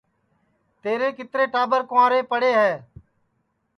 تیرے کِترے ٹاٻر کُنٚورے پڑے ہے